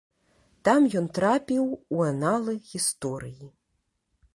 Там ён трапіў у аналы гісторыі.